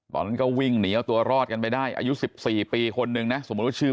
ตอนนั้นก็วิ่งหนีเอาตัวรอดกันไปได้อายุ๑๔ปีคนนึงนะสมมุติว่าชื่อ